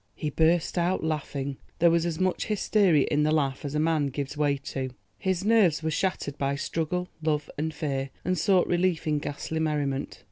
He burst out laughing; there was as much hysteria in the laugh as a man gives way to. His nerves were shattered by struggle, love and fear, and sought relief in ghastly merriment.